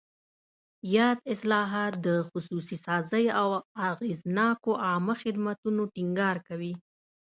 یاد اصلاحات د خصوصي سازۍ او اغېزناکو عامه خدمتونو ټینګار کوي.